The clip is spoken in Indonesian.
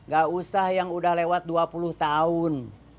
gak usah yang udah lewat dua puluh tahun